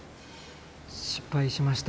失敗しました。